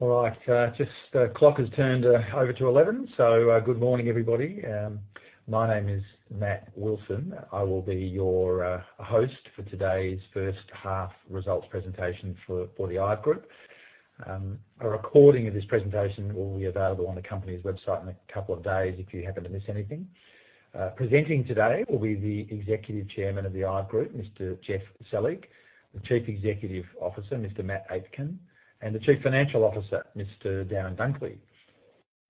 All right, just the clock has turned over to 11, so good morning, everybody. My name is Matt Wilson. I will be your host for today's H1 results presentation for the IVE Group. A recording of this presentation will be available on the company's website in a couple of days if you happen to miss anything. Presenting today will be the Executive Chairman of the IVE Group, Mr. Geoff Selig, the Chief Executive Officer, Mr. Matt Aitken, and the Chief Financial Officer, Mr. Darren Dunkley.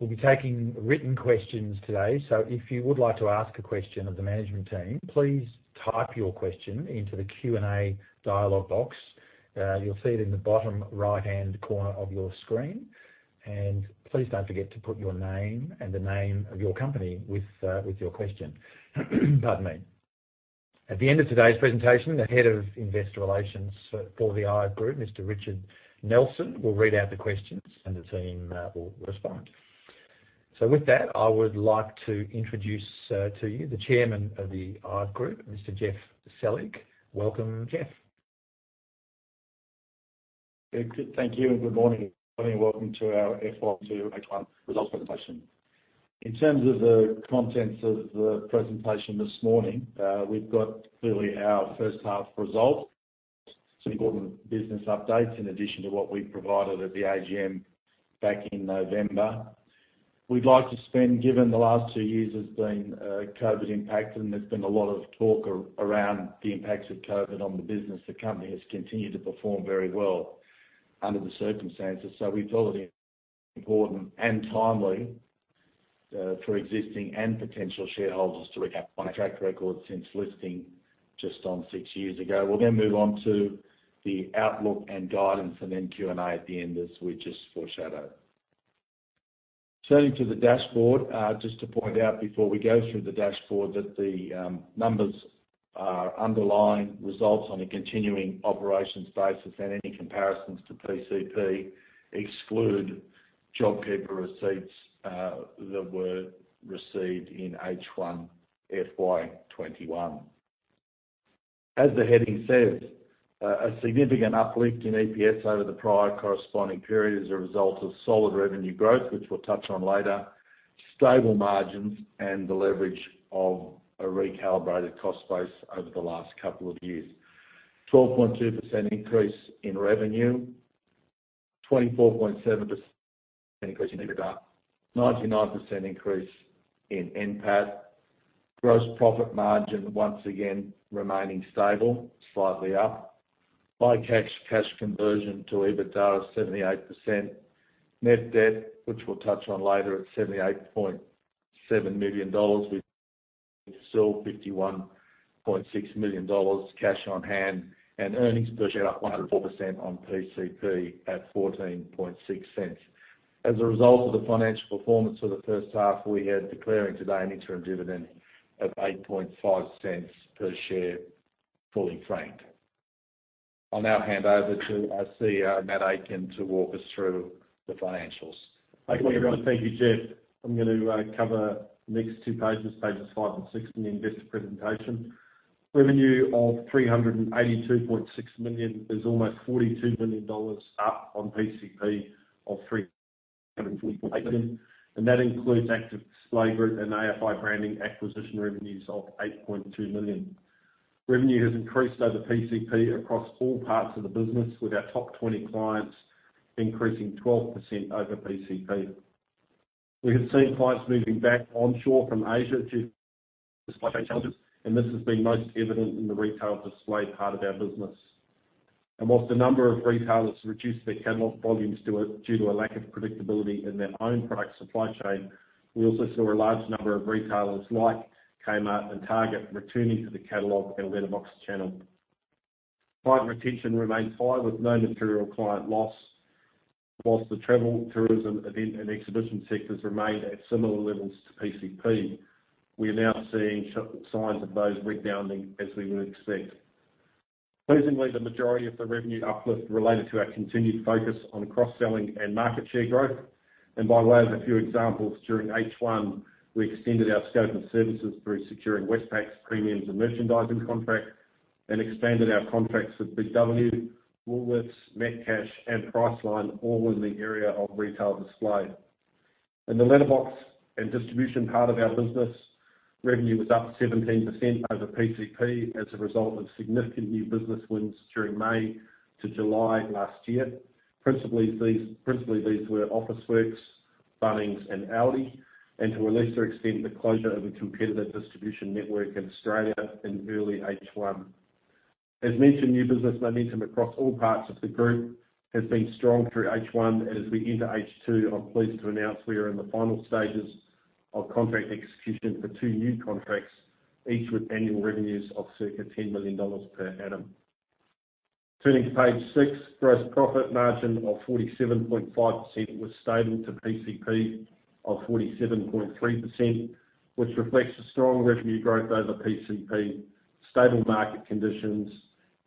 We'll be taking written questions today, so if you would like to ask a question of the management team, please type your question into the Q&A dialogue box. You'll see it in the bottom right-hand corner of your screen. Please don't forget to put your name and the name of your company with your question. Pardon me. At the end of today's presentation, the Head of Investor Relations for the IVE Group, Mr. Richard Nelson, will read out the questions and the team will respond. With that, I would like to introduce to you the Chairman of the IVE Group, Mr. Geoff Selig. Welcome, Geoff. Thank you, and good morning. Welcome to our FY 2H1 results presentation. In terms of the contents of the presentation this morning, we've got clearly our H1 results, some important business updates in addition to what we provided at the AGM back in November. We'd like to spend, given the last two years has been, COVID impact, and there's been a lot of talk around the impacts of COVID on the business, the company has continued to perform very well under the circumstances. We feel it is important and timely, for existing and potential shareholders to recap on our track record since listing just on six years ago. We'll then move on to the outlook and guidance and then Q&A at the end as we just foreshadowed. Turning to the dashboard, just to point out before we go through the dashboard that the numbers are underlying results on a continuing operations basis, and any comparisons to PCP exclude JobKeeper receipts that were received in H1 FY 2021. As the heading says, a significant uplift in EPS over the prior corresponding period as a result of solid revenue growth, which we'll touch on later, stable margins, and the leverage of a recalibrated cost base over the last couple of years. 12.2% increase in revenue. 24.7% increase in EBITDA. 99% increase in NPAT. Gross profit margin, once again, remaining stable, slightly up. High cash conversion to EBITDA, 78%. Net debt, which we'll touch on later, at 78.7 million dollars, with still 51.6 million dollars cash on hand. Earnings per share up 100% on PCP at 0.146. As a result of the financial performance for the H1, we are declaring today an interim dividend of 0.085 per share, fully franked. I'll now hand over to our CEO, Matt Aitken, to walk us through the financials. Good morning, everyone. Thank you, Geoff. I'm going to cover the next two pages 5 and 6 in the investor presentation. Revenue of 382.6 million is almost 42 million dollars up on PCP of 3.8 million. That includes Active Display Group and AFI Branding acquisition revenues of 8.2 million. Revenue has increased over PCP across all parts of the business, with our top 20 clients increasing 12% over PCP. We have seen clients moving back onshore from Asia too, and this has been most evident in the retail display part of our business. While a number of retailers reduced their catalog volumes due to a lack of predictability in their own product supply chain, we also saw a large number of retailers like Kmart and Target returning to the catalog and letterbox channel. Client retention remains high with no material client loss. While the travel, tourism, event, and exhibition sectors remained at similar levels to PCP, we are now seeing signs of those rebounding as we would expect. Pleasingly, the majority of the revenue uplift related to our continued focus on cross-selling and market share growth. By way of a few examples, during H1, we extended our scope of services through securing Westpac's premiums and merchandising contract and expanded our contracts with Big W, Woolworths, Metcash, and Priceline, all in the area of retail display. In the letterbox and distribution part of our business, revenue was up 17% over PCP as a result of significant new business wins during May to July last year. Principally these were Officeworks, Bunnings and ALDI, and to a lesser extent, the closure of a competitive distribution network in Australia in early H1. As mentioned, new business momentum across all parts of the group has been strong through H1. As we enter H2, I'm pleased to announce we are in the final stages of contract execution for two new contracts, each with annual revenues of circa 10 million dollars per annum. Turning to page 6, gross profit margin of 47.5% was stable to PCP of 47.3%, which reflects the strong revenue growth over PCP, stable market conditions,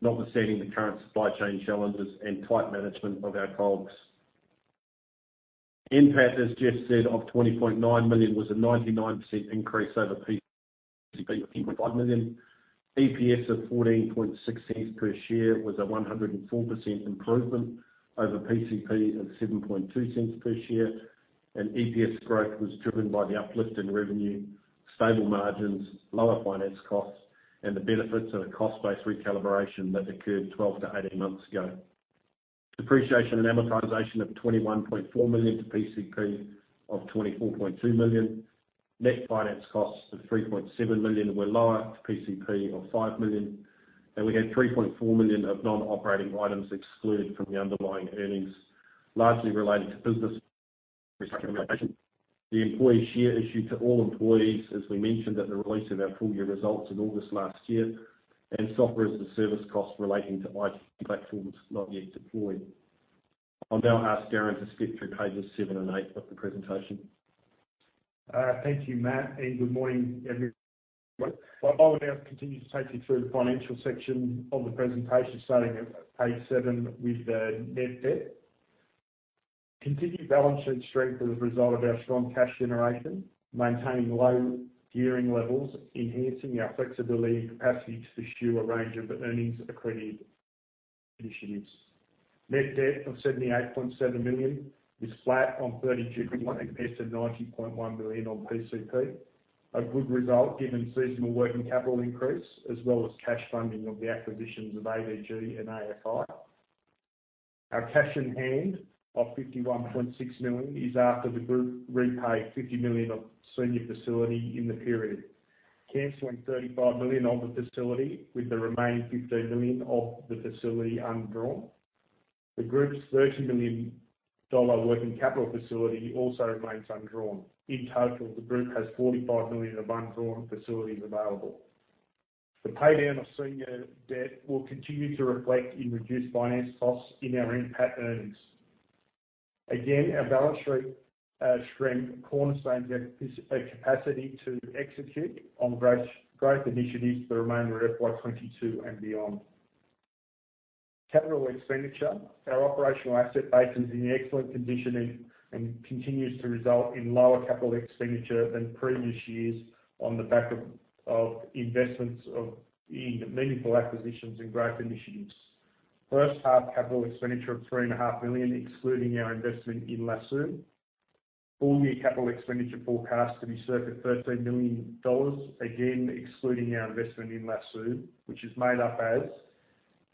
notwithstanding the current supply chain challenges and tight management of our COGS. NPAT, as Geoff said, of 20.9 million was a 99% increase over PCP of 8.5 million. EPS of 14.6 cents per share was a 104% improvement over PCP of 7.2 cents per share, and EPS growth was driven by the uplift in revenue, stable margins, lower finance costs, and the benefits of a cost-based recalibration that occurred 12-18 months ago. Depreciation and amortization of 21.4 million to PCP of 24.2 million. Net finance costs of 3.7 million were lower to PCP of 5 million. We had 3.4 million of non-operating items excluded from the underlying earnings, largely relating to business remediation, the employee share issue to all employees, as we mentioned at the release of our full year results in August last year, and software as a service cost relating to IT platforms not yet deployed. I'll now ask Darren to skip through pages 7 and 8 of the presentation. Thank you, Matt, and good morning. I will now continue to take you through the financial section of the presentation, starting at page 7 with the net debt. Continued balance sheet strength as a result of our strong cash generation, maintaining low gearing levels, enhancing our flexibility and capacity to pursue a range of earnings accretive initiatives. Net debt of 78.7 million is flat on 30 June compared to 90.1 million on PCP. A good result given seasonal working capital increase as well as cash funding of the acquisitions of ADG and AFI. Our cash on hand of 51.6 million is after the group repaid 50 million of senior facility in the period, canceling 35 million of the facility with the remaining 15 million of the facility undrawn. The group's 30 million dollar working capital facility also remains undrawn. In total, the group has 45 million of undrawn facilities available. The pay down of senior debt will continue to reflect in reduced finance costs in our NPAT earnings. Again, our balance sheet strength cornerstones our capacity to execute on growth initiatives for the remainder of FY 2022 and beyond. Capital expenditure. Our operational asset base is in excellent condition and continues to result in lower capital expenditure than previous years on the back of investments in meaningful acquisitions and growth initiatives. H1 capital expenditure of 3.5 million, excluding our investment in Lasoo. Full year capital expenditure forecast to be circa 13 million dollars, again, excluding our investment in Lasoo, which is made up as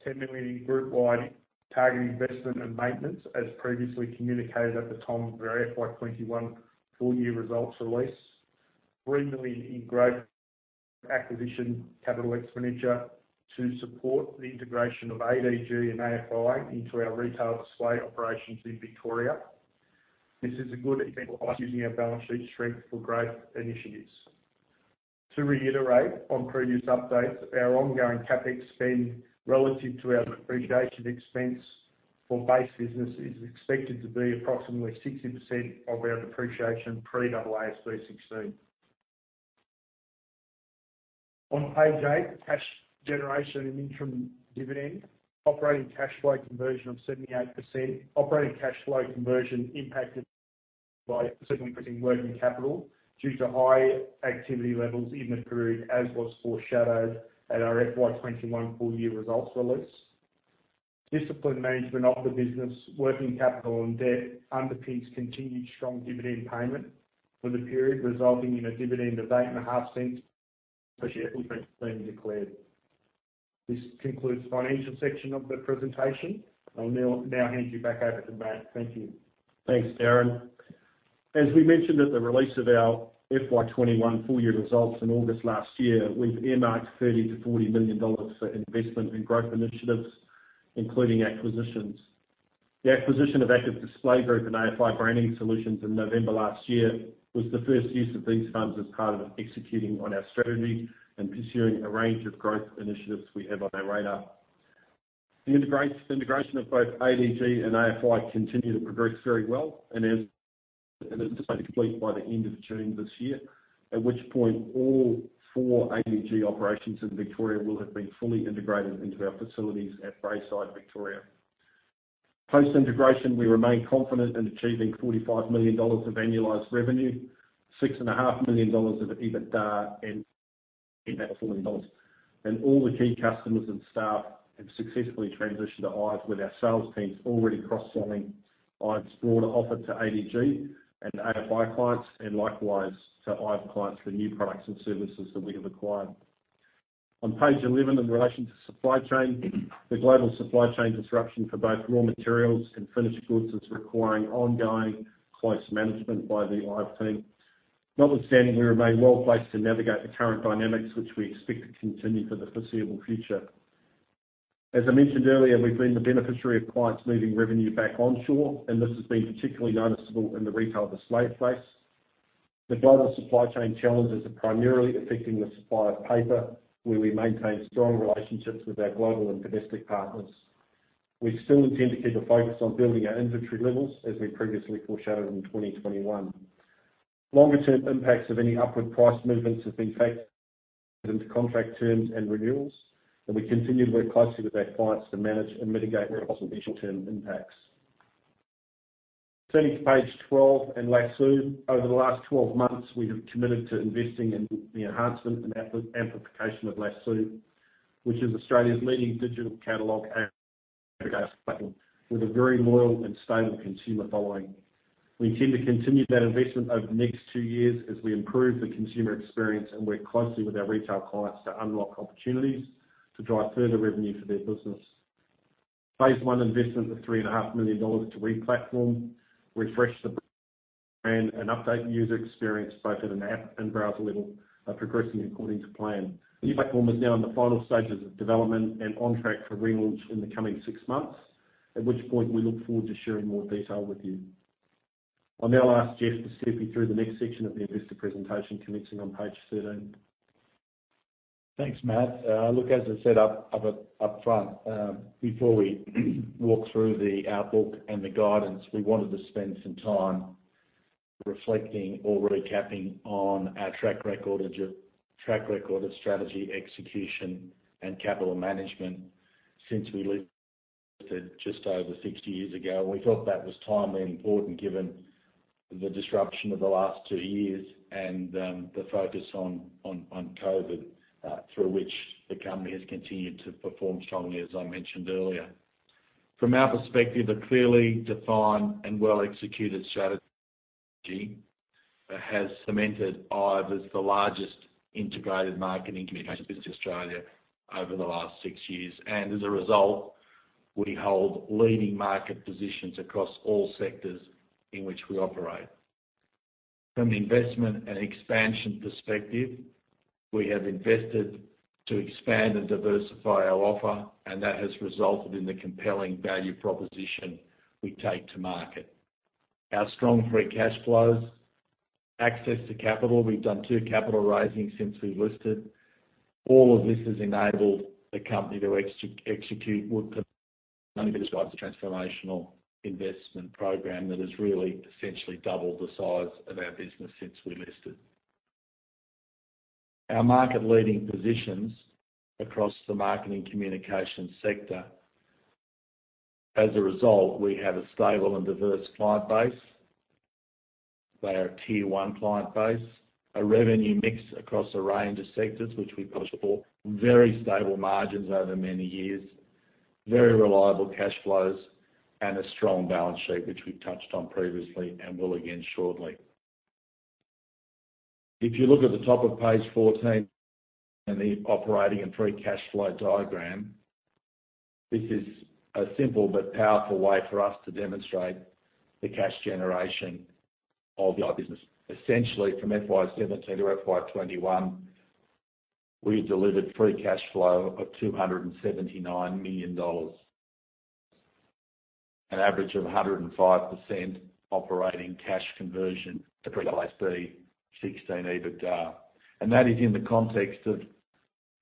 10 million in groupwide target investment and maintenance, as previously communicated at the time of our FY 2021 full year results release. 3 million in growth acquisition capital expenditure to support the integration of ADG and AFI into our retail display operations in Victoria. This is a good example of using our balance sheet strength for growth initiatives. To reiterate on previous updates, our ongoing CapEx spend relative to our depreciation expense for base business is expected to be approximately 60% of our depreciation pre AASB 16. On page 8, cash generation and interim dividend. Operating cash flow conversion of 78%. Operating cash flow conversion impacted by significant increase in working capital due to high activity levels in the period, as was foreshadowed at our FY 2021 full year results release. Disciplined management of the business, working capital, and debt underpins continued strong dividend payment for the period, resulting in a dividend of 0.085 per share being declared. This concludes the financial section of the presentation. I'll now hand you back over to Matt. Thank you. Thanks, Darren. As we mentioned at the release of our FY 2021 full year results in August last year, we've earmarked 30 million-40 million dollars for investment in growth initiatives, including acquisitions. The acquisition of Active Display Group and AFI Branding Solutions in November last year was the first use of these funds as part of executing on our strategy and pursuing a range of growth initiatives we have on our radar. The integration of both ADG and AFI continues to progress very well and is expected to be complete by the end of June this year, at which point all four ADG operations in Victoria will have been fully integrated into our facilities at Braeside, Victoria. Post-integration, we remain confident in achieving 45 million dollars of annualized revenue, 6.5 million dollars of EBITDA and million dollars. All the key customers and staff have successfully transitioned to IVE, with our sales teams already cross-selling IVE's broader offer to ADG and AFI clients and likewise to IVE clients for new products and services that we have acquired. On page eleven, in relation to supply chain, the global supply chain disruption for both raw materials and finished goods is requiring ongoing close management by the IVE team. Notwithstanding, we remain well-placed to navigate the current dynamics, which we expect to continue for the foreseeable future. As I mentioned earlier, we've been the beneficiary of clients moving revenue back onshore, and this has been particularly noticeable in the retail display space. The global supply chain challenges are primarily affecting the supply of paper, where we maintain strong relationships with our global and domestic partners. We still intend to keep a focus on building our inventory levels as we previously foreshadowed in 2021. Longer term impacts of any upward price movements have been factored into contract terms and renewals, and we continue to work closely with our clients to manage and mitigate the possible medium-term impacts. Turning to page 12 and Lasoo. Over the last 12 months, we have committed to investing in the enhancement and amplification of Lasoo, which is Australia's leading digital catalog and with a very loyal and stable consumer following. We intend to continue that investment over the next two years as we improve the consumer experience and work closely with our retail clients to unlock opportunities to drive further revenue for their business. Phase one investment of AUD 3.5 million to re-platform, refresh the brand, and update user experience both at an app and browser level are progressing according to plan. The new platform is now in the final stages of development and on track for relaunch in the coming six months, at which point we look forward to sharing more detail with you. I'll now ask Geoff to step you through the next section of the investor presentation, commencing on page 13. Thanks, Matt. Look, as I said up front, before we walk through the outlook and the guidance, we wanted to spend some time reflecting or recapping on our track record of strategy, execution, and capital management since we listed just over 6 years ago. We thought that was timely and important given the disruption of the last 2 years and the focus on COVID, through which the company has continued to perform strongly, as I mentioned earlier. From our perspective, a clearly defined and well-executed strategy has cemented IVE as the largest integrated marketing communications business in Australia over the last 6 years. As a result, we hold leading market positions across all sectors in which we operate. From the investment and expansion perspective, we have invested to expand and diversify our offer, and that has resulted in the compelling value proposition we take to market. Our strong free cash flows, access to capital, we've done two capital raisings since we listed. All of this has enabled the company to execute a transformational investment program that has really essentially doubled the size of our business since we listed. Our market-leading positions across the marketing communications sector. As a result, we have a stable and diverse client base. They are a tier-one client base, a revenue mix across a range of sectors which we push for very stable margins over many years, very reliable cash flows, and a strong balance sheet, which we've touched on previously and will again shortly. If you look at the top of page 14 and the operating and free cash flow diagram, this is a simple but powerful way for us to demonstrate the cash generation of our business. Essentially, from FY 2017 to FY 2021, we've delivered free cash flow of 279 million dollars. An average of 105% operating cash conversion to EBITDA, 16 EBITDA. That is in the context of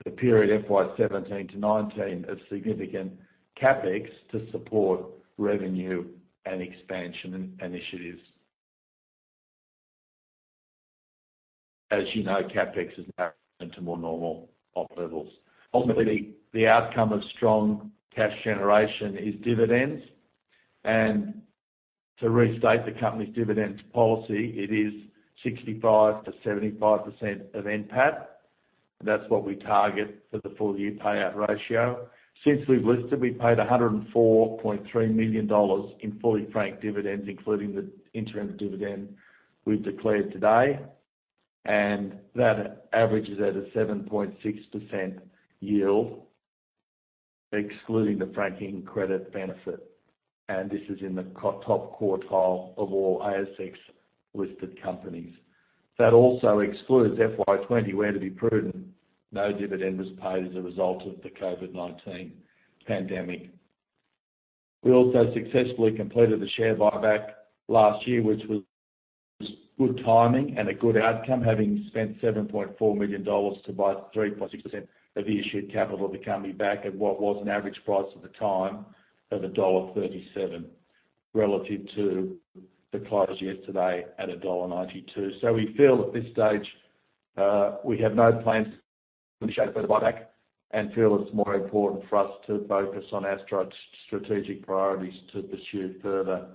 the period FY 2017 to 2019, of significant CapEx to support revenue and expansion initiatives. As you know, CapEx has now gone to more normal op levels. Ultimately, the outcome of strong cash generation is dividends. To restate the company's dividends policy, it is 65%-75% of NPAT. That's what we target for the full-year payout ratio. Since we've listed, we paid 104.3 million dollars in fully franked dividends, including the interim dividend we've declared today. That averages at a 7.6% yield, excluding the franking credit benefit. This is in the top quartile of all ASX-listed companies. That also excludes FY 2020, where to be prudent, no dividend was paid as a result of the COVID-19 pandemic. We also successfully completed the share buyback last year, which was good timing and a good outcome, having spent 7.4 million dollars to buy 3.6% of the issued capital of the company back at what was an average price at the time of dollar 1.37, relative to the close yesterday at dollar 1.92. We feel at this stage we have no plans to initiate a buyback and feel it's more important for us to focus on our strategic priorities to pursue further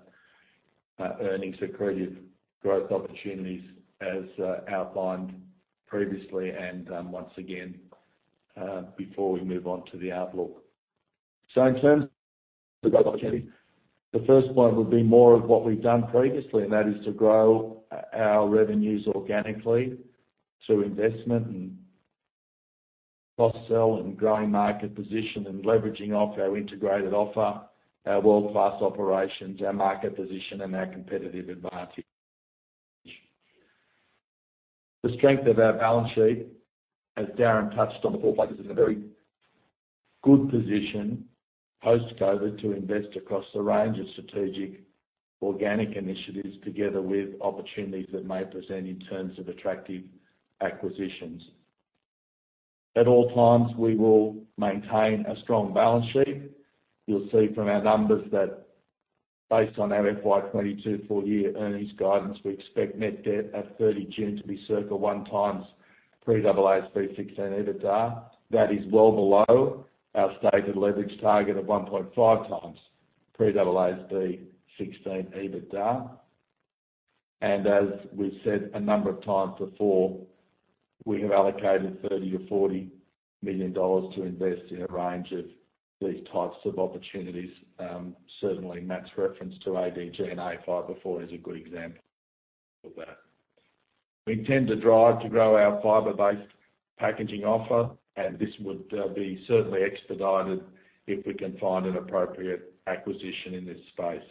earnings accretive growth opportunities as outlined previously and once again before we move on to the outlook. In terms of opportunity, the first point would be more of what we've done previously, and that is to grow our revenues organically through investment and cross-sell and growing market position and leveraging off our integrated offer, our world-class operations, our market position, and our competitive advantage. The strength of our balance sheet, as Darren touched on, the board is in a very good position post-COVID to invest across a range of strategic organic initiatives together with opportunities that may present in terms of attractive acquisitions. At all times, we will maintain a strong balance sheet. You'll see from our numbers that based on our FY 2022 full-year earnings guidance, we expect net debt at 30 June to be circa 1x pre AASB 16 EBITDA. That is well below our stated leverage target of 1.5x pre AASB 16 EBITDA. As we've said a number of times before, we have allocated 30 million-40 million dollars to invest in a range of these types of opportunities. Certainly, Matt's reference to ADG and AFI before is a good example of that. We intend to drive to grow our fiber-based packaging offer, and this would be certainly expedited if we can find an appropriate acquisition in this space.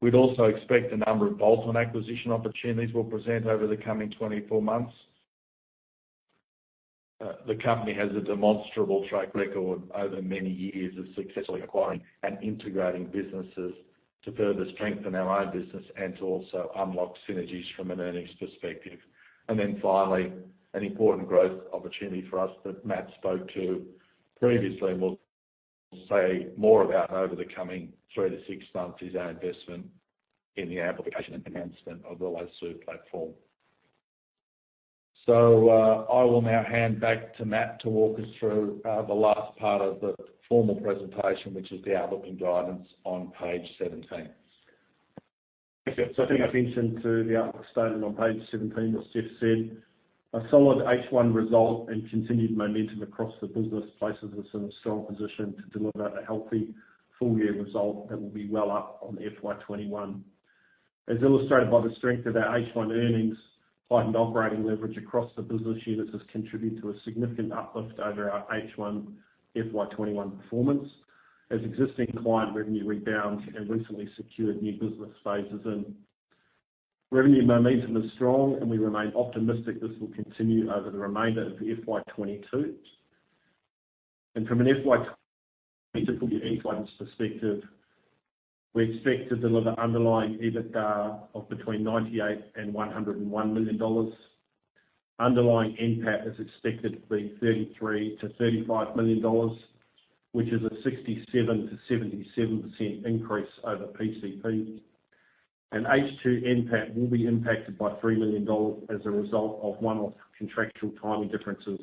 We'd also expect a number of bolt-on acquisition opportunities will present over the coming 24 months. The company has a demonstrable track record over many years of successfully acquiring and integrating businesses to further strengthen our own business and to also unlock synergies from an earnings perspective. Finally, an important growth opportunity for us that Matt spoke to previously, and we'll say more about over the coming 3 to 6 months is our investment in the amplification and enhancement of the Lasoo platform. I will now hand back to Matt to walk us through the last part of the formal presentation, which is the outlook and guidance on page 17. Thank you. I think I mentioned to the outlook statement on page 17, as Geoff said, a solid H1 result and continued momentum across the business places us in a strong position to deliver a healthy full-year result that will be well up on FY 2021. As illustrated by the strength of our H1 earnings, heightened operating leverage across the business units has contributed to a significant uplift over our H1 FY 2021 performance as existing client revenue rebounds and recently secured new business phases in. Revenue momentum is strong, and we remain optimistic this will continue over the remainder of the FY 2022. From an FY full year earnings guidance perspective, we expect to deliver underlying EBITDA of between 98 million and 101 million dollars. Underlying NPAT is expected to be 33 million-35 million dollars, which is a 67%-77% increase over PCP. H2 NPAT will be impacted by 3 million dollars as a result of one-off contractual timing differences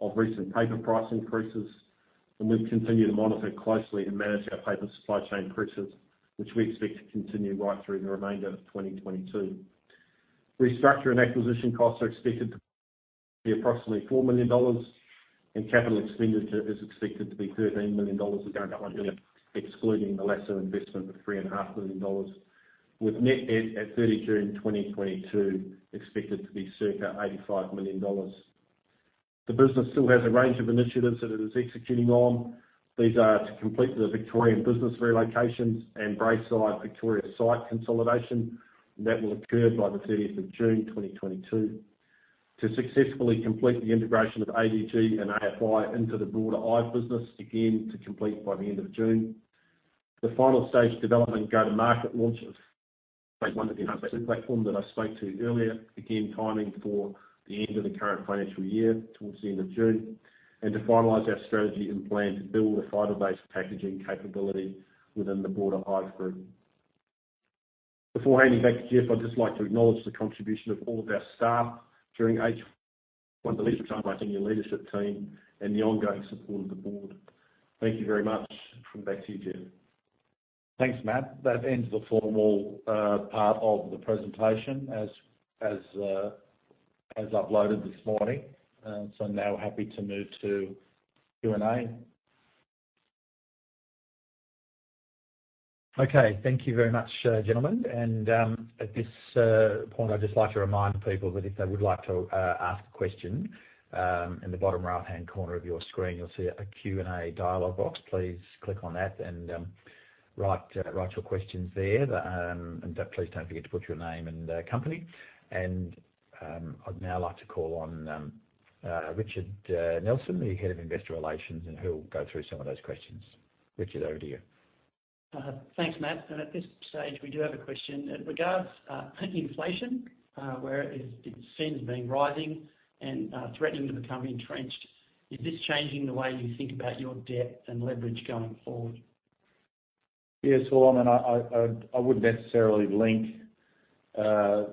of recent paper price increases. We've continued to monitor closely and manage our paper supply chain increases, which we expect to continue right through the remainder of 2022. Restructure and acquisition costs are expected to be approximately 4 million dollars, and capital expenditure is expected to be 13 million dollars, again, excluding the lease investment of 3.5 million dollars, with net debt at 30 June 2022 expected to be circa 85 million dollars. The business still has a range of initiatives that it is executing on. These are to complete the Victorian business relocations and Braeside Victoria site consolidation, and that will occur by the 30th of June 2022. To successfully complete the integration of ADG and AFI into the broader IVE business, again, to complete by the end of June. The final stage development and go-to-market launch of platform that I spoke to earlier. Again, timing for the end of the current financial year towards the end of June, and to finalize our strategy and plan to build a fiber-based packaging capability within the broader IVE Group. Before handing back to Geoff, I'd just like to acknowledge the contribution of all of our staff during H1, the leadership of my senior leadership team and the ongoing support of the board. Thank you very much. Back to you, Geoff. Thanks, Matt. That ends the formal part of the presentation as uploaded this morning. Now we're happy to move to Q&A. Okay. Thank you very much, gentlemen. At this point, I'd just like to remind people that if they would like to ask a question, in the bottom right-hand corner of your screen, you'll see a Q&A dialog box. Please click on that and write your questions there. Please don't forget to put your name and company. I'd now like to call on Richard Nelson, the Head of Investor Relations, and he'll go through some of those questions. Richard, over to you. Thanks, Matt. At this stage, we do have a question. It regards inflation, where it seems to have been rising and threatening to become entrenched. Is this changing the way you think about your debt and leverage going forward? Yes. Well, I mean, I wouldn't necessarily link a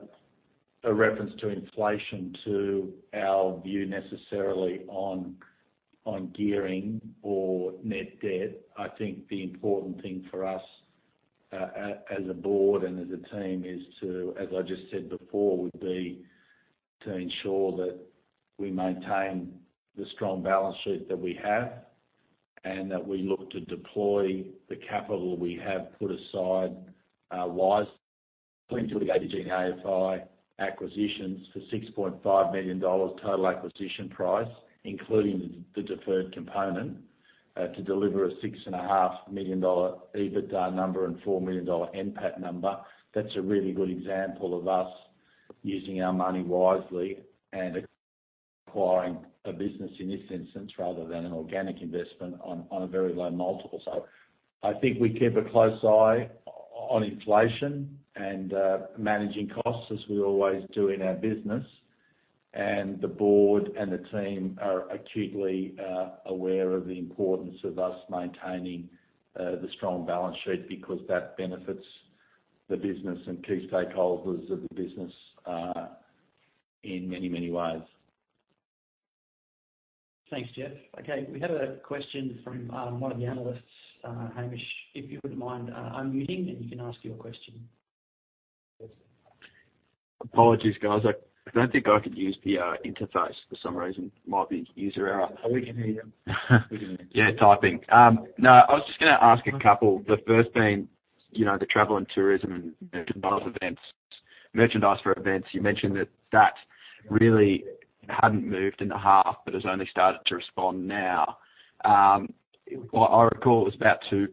reference to inflation to our view necessarily on gearing or net debt. I think the important thing for us as a board and as a team is, as I just said before, to ensure that we maintain the strong balance sheet that we have and that we look to deploy the capital we have put aside wisely into the ADG and AFI acquisitions for 6.5 million dollars total acquisition price, including the deferred component, to deliver a 6.5 million dollar EBITDA number and 4 million dollar NPAT number. That's a really good example of us using our money wisely and acquiring a business in this instance, rather than an organic investment on a very low multiple. I think we keep a close eye. On inflation and managing costs as we always do in our business. The board and the team are acutely aware of the importance of us maintaining the strong balance sheet because that benefits the business and key stakeholders of the business in many, many ways. Thanks, Geoff. Okay. We have a question from one of the analysts, Hamish. If you wouldn't mind, unmuting, and you can ask your question. Apologies, guys. I don't think I could use the interface for some reason. Might be user error. We can hear you. We can hear you. Yeah, typing. No, I was just gonna ask a couple. The first being, you know, the travel and tourism and merchandise for events. You mentioned that that really hadn't moved in the half, but has only started to respond now. What I recall is about 2%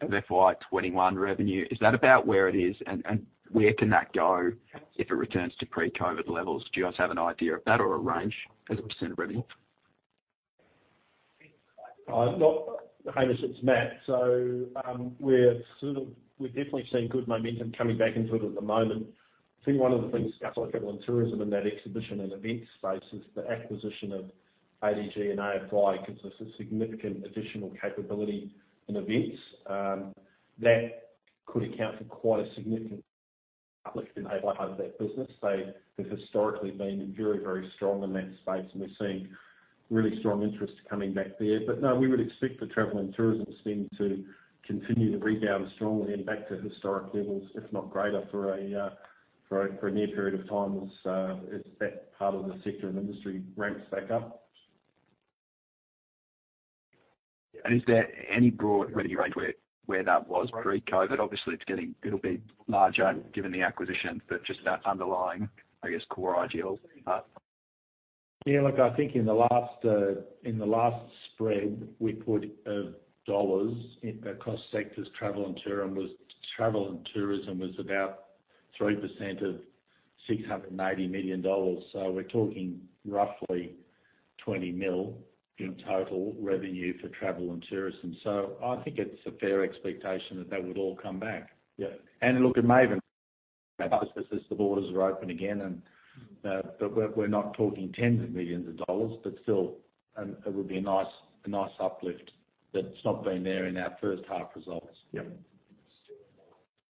of FY 2021 revenue. Is that about where it is and where can that go if it returns to pre-COVID levels? Do you guys have an idea of that or a range as a percentage of revenue? Hamish, it's Matt. We're definitely seeing good momentum coming back into it at the moment. I think one of the things, guys, like travel and tourism in that exhibition and event space is the acquisition of ADG and AFI gives us a significant additional capability in events, that could account for quite a significant uplift in either part of that business. They have historically been very strong in that space, and we're seeing really strong interest coming back there. No, we would expect the travel and tourism spend to continue to rebound strongly and back to historic levels, if not greater for a near period of time as that part of the sector and industry ramps back up. Is there any broad revenue range where that was pre-COVID? Obviously, it'll be larger given the acquisitions, but just that underlying, I guess, core IVE. Yeah. Look, I think in the last spread, we put dollars across sectors. Travel and tourism was about 3% of 690 million dollars. We're talking roughly 20 million in total revenue for travel and tourism. I think it's a fair expectation that would all come back. Yeah. Look at Maven, as the borders are open again and but we're not talking tens of millions AUD, but still, it would be a nice uplift that's not been there in our H1 results.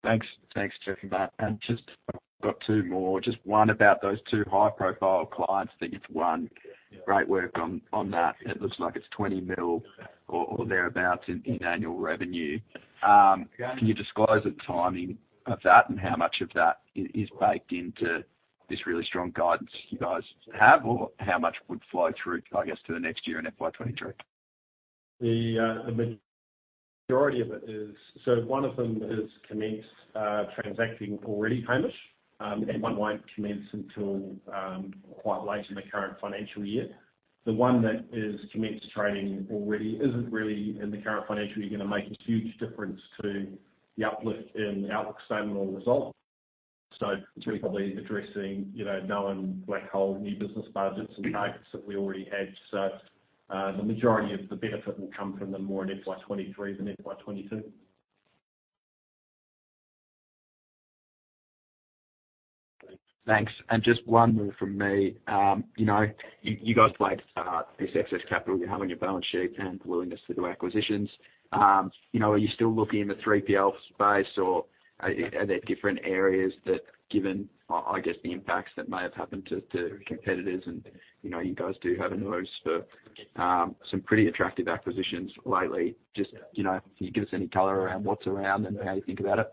Yeah. Thanks. Thanks, Geoff and Matt. Just got two more. Just one about those two high-profile clients that you've won. Great work on that. It looks like it's 20 million or thereabout in annual revenue. Can you disclose the timing of that and how much of that is baked into this really strong guidance you guys have? How much would flow through, I guess, to the next year in FY 2023? One of them has commenced transacting already, Hamish, and one won't commence until quite late in the current financial year. The one that has commenced trading already isn't really gonna make a huge difference to the uplift in the outlook statement or result in the current financial year. We're probably addressing, you know, known black hole new business budgets and targets that we already had. The majority of the benefit will come from them more in FY 2023 than FY 2022. Thanks. Just one more from me. You know, you guys like this excess capital you have on your balance sheet and willingness to do acquisitions. You know, are you still looking in the 3PL space, or are there different areas that, given I guess the impacts that may have happened to competitors and you know you guys do have a nose for some pretty attractive acquisitions lately. Just you know can you give us any color around what's around and how you think about it?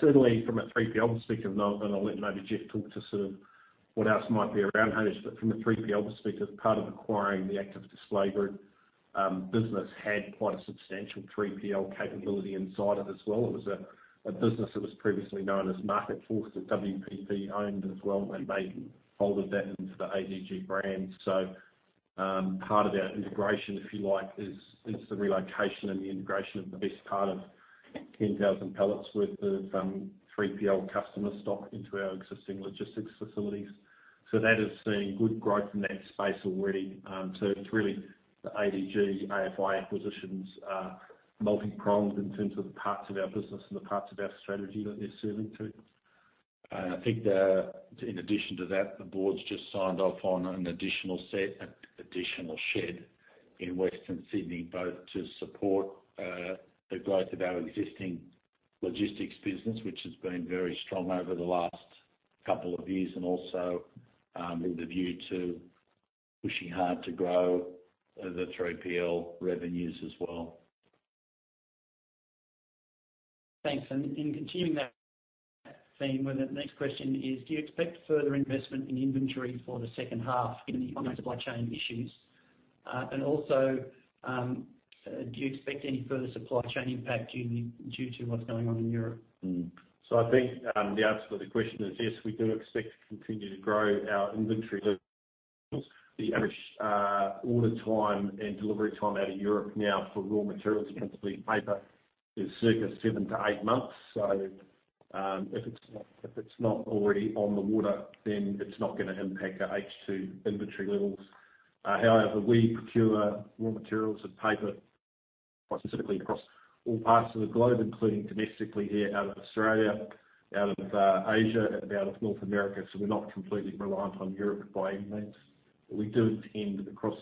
Certainly from a 3PL perspective. Now, I'm gonna let maybe Geoff talk to sort of what else might be around Hamish. From a 3PL perspective, part of acquiring the Active Display Group business had quite a substantial 3PL capability inside it as well. It was a business that was previously known as Market Force that WPP owned as well, and they folded that into the ADG brand. Part of our integration, if you like, is the relocation and the integration of the best part of 10,000 pallets worth of 3PL customer stock into our existing logistics facilities. That has seen good growth in that space already. It's really the ADG, AFI acquisitions are multi-pronged in terms of the parts of our business and the parts of our strategy that they're serving to. I think in addition to that, the board's just signed off on an additional shed in Western Sydney, both to support the growth of our existing logistics business, which has been very strong over the last couple of years and also with a view to pushing hard to grow the 3PL revenues as well. Thanks. In continuing that theme, well, the next question is do you expect further investment in inventory for the H2 on the supply chain issues? And also, do you expect any further supply chain impact due to what's going on in Europe? I think the answer to the question is yes, we do expect to continue to grow our inventory levels. The average order time and delivery time out of Europe now for raw materials, principally paper, is circa 7-8 months. If it's not already on the water, then it's not gonna impact our H2 inventory levels. However, we procure raw materials and paper quite specifically across all parts of the globe, including domestically here out of Australia, out of Asia, and out of North America, so we're not completely reliant on Europe by any means. We do intend across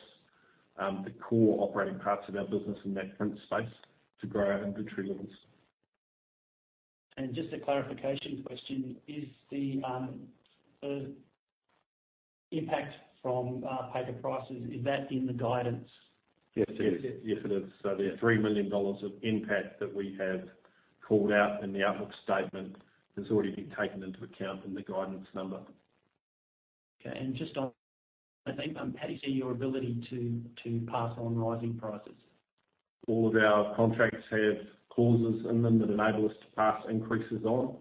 the core operating parts of our business in that print space to grow our inventory levels. Just a clarification question. Is the impact from paper prices, is that in the guidance? Yes. Yes, it is. Yes, it is. The 3 million dollars of impact that we have called out in the outlook statement has already been taken into account in the guidance number. Okay. Just on, I think, how do you see your ability to pass on rising prices? All of our contracts have clauses in them that enable us to pass increases on.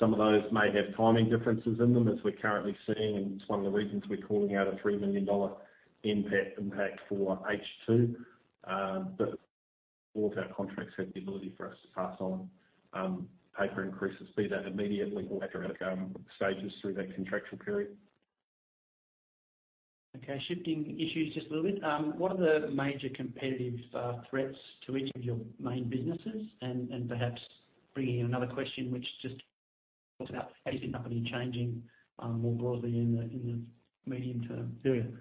Some of those may have timing differences in them, as we're currently seeing. It's one of the reasons we're calling out an 3 million dollar impact for H2. All of our contracts have the ability for us to pass on paper increases, be that immediately or at regular stages through that contractual period. Okay. Shifting issues just a little bit. What are the major competitive threats to each of your main businesses? Perhaps bringing in another question, which just talks about how is the company changing more broadly in the medium-term period?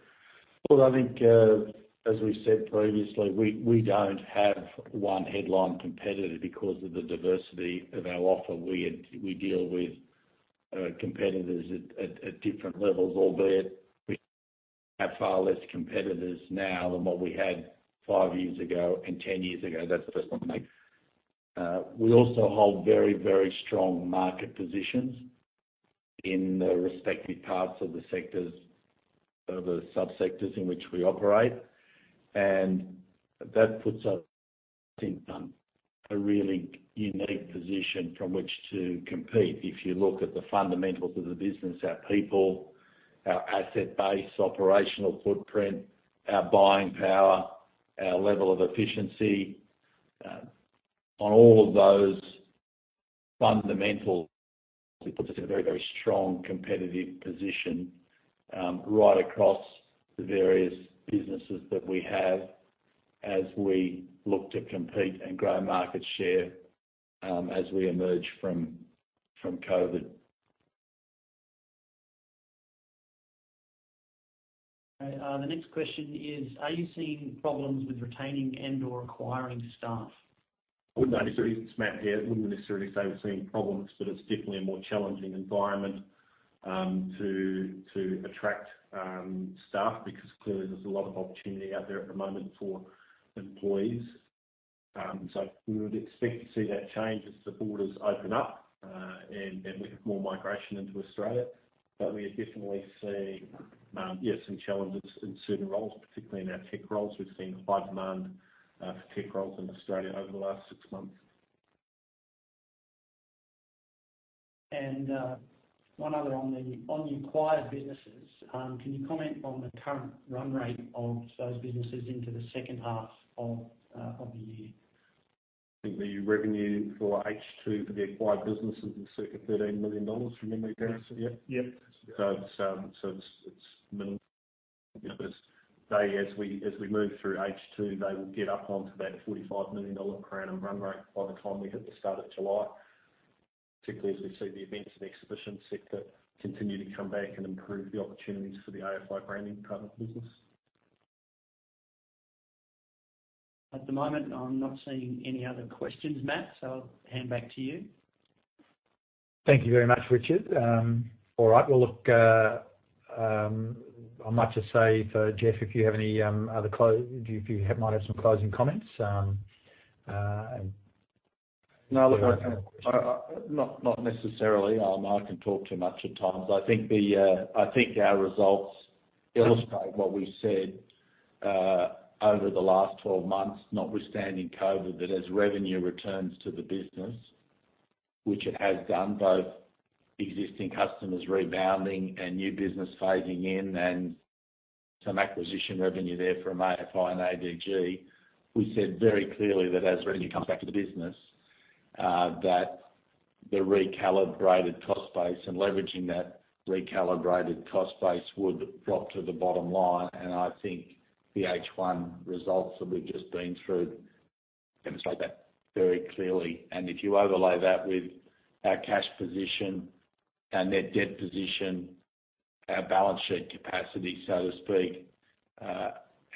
Well, I think, as we said previously, we don't have one headline competitor because of the diversity of our offer. We deal with competitors at different levels, albeit we have far less competitors now than what we had five years ago and ten years ago. That's the first thing. We also hold very, very strong market positions in the respective parts of the sectors or the subsectors in which we operate. That puts us in a really unique position from which to compete. If you look at the fundamentals of the business, our people, our asset base, operational footprint, our buying power, our level of efficiency, on all of those fundamentals, it puts us in a very, very strong competitive position, right across the various businesses that we have as we look to compete and grow market share, as we emerge from COVID. Okay. The next question is: Are you seeing problems with retaining and/or acquiring staff? It's Matt here. I wouldn't necessarily say we're seeing problems, but it's definitely a more challenging environment to attract staff because clearly there's a lot of opportunity out there at the moment for employees. We would expect to see that change as the borders open up and we have more migration into Australia. We are definitely seeing yes some challenges in certain roles, particularly in our tech roles. We've seen high demand for tech roles in Australia over the last six months. One other on the acquired businesses. Can you comment on the current run rate of those businesses into the H2 of the year? I think the revenue for H2 for the acquired businesses was circa 13 million dollars from memory, Matt? Yes. Yep. It's minimum. As we move through H2, they will get up onto that 45 million dollar per annum run rate by the time we hit the start of July, particularly as we see the events and exhibition sector continue to come back and improve the opportunities for the AFI Branding part of the business. At the moment, I'm not seeing any other questions, Matt, so I'll hand back to you. Thank you very much, Richard. All right. Well, look, I might just say for Geoff, if you might have some closing comments. No, look, not necessarily. I can talk too much at times. I think our results illustrate what we've said over the last 12 months, notwithstanding COVID, that as revenue returns to the business, which it has done, both existing customers rebounding and new business phasing in and some acquisition revenue there from AFI and ADG. We said very clearly that as revenue comes back to the business, that the recalibrated cost base and leveraging that recalibrated cost base would drop to the bottom line. I think the H1 results that we've just been through demonstrate that very clearly. If you overlay that with our cash position, our net debt position, our balance sheet capacity, so to speak,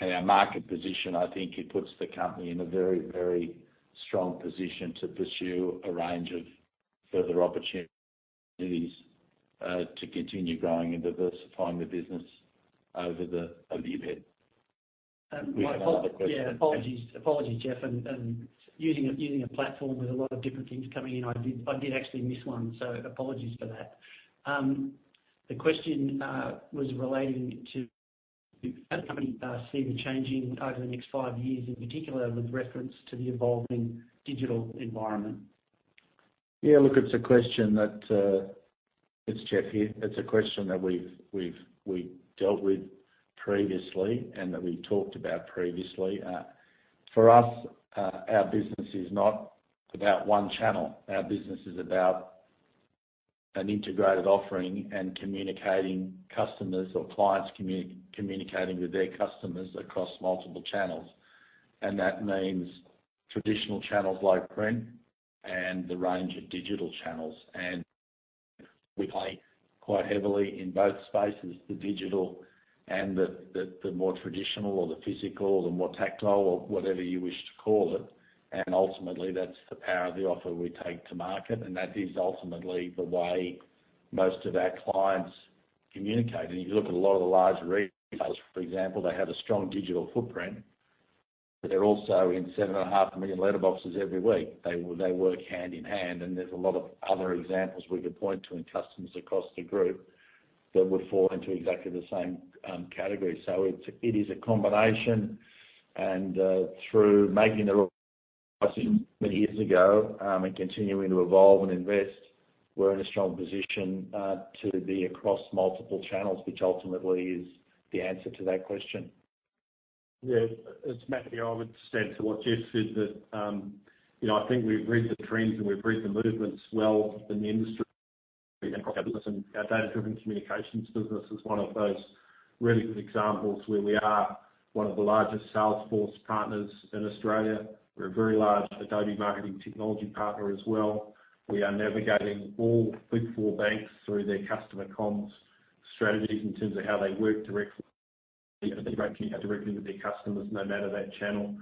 and our market position, I think it puts the company in a very, very strong position to pursue a range of further opportunities, to continue growing and diversifying the business over the year ahead. One other question. Yeah. Apologies, Geoff. Using a platform with a lot of different things coming in, I did actually miss one, so apologies for that. The question was relating to how the company see the changing over the next five years, in particular with reference to the evolving digital environment. Yeah. Look, it's Geoff here. It's a question that we've dealt with previously and that we've talked about previously. For us, our business is not about one channel. Our business is about an integrated offering and communicating customers or clients communicating with their customers across multiple channels. That means traditional channels like print and the range of digital channels. We play quite heavily in both spaces, the digital and the more traditional or the physical, the more tactile or whatever you wish to call it. Ultimately, that's the power of the offer we take to market. That is ultimately the way most of our clients communicate. If you look at a lot of the large retailers, for example, they have a strong digital footprint, but they're also in 7.5 million letterboxes every week. They work hand in hand, and there's a lot of other examples we could point to in customers across the group that would fall into exactly the same category. It is a combination. Through making the right decisions many years ago, and continuing to evolve and invest, we're in a strong position to be across multiple channels, which ultimately is the answer to that question. It's Matt, I would extend to what Geoff said that, you know, I think we've read the trends, and we've read the movements well in the industry. Our data-driven communications business is one of those really good examples where we are one of the largest Salesforce partners in Australia. We're a very large Adobe marketing technology partner as well. We are navigating all big four banks through their customer comms strategies in terms of how they work directly with their customers, no matter the channel.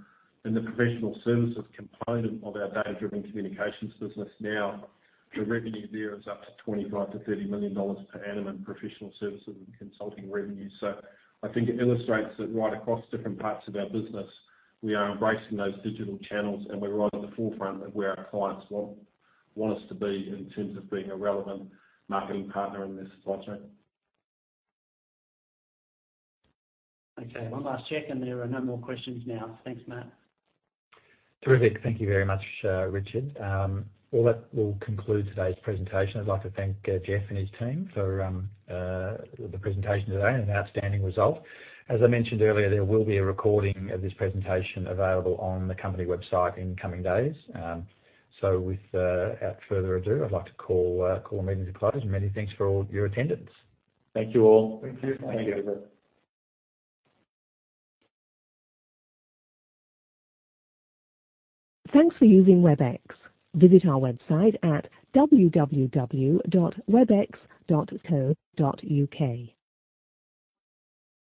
In the professional services component of our data-driven communications business now, the revenue there is up to 25 million-30 million dollars per annum in professional services and consulting revenue. I think it illustrates that right across different parts of our business, we are embracing those digital channels, and we're right at the forefront of where our clients want us to be in terms of being a relevant marketing partner in their supply chain. Okay, one last check, and there are no more questions now. Thanks, Matt. Terrific. Thank you very much, Richard. Well, that will conclude today's presentation. I'd like to thank Geoff and his team for the presentation today and an outstanding result. As I mentioned earlier, there will be a recording of this presentation available on the company website in the coming days. Without further ado, I'd like to call the meeting to close. Many thanks for all of your attendance. Thank you all. Thank you. Thank you. Thanks for using WebEx. Visit our website at www.webex.co.uk.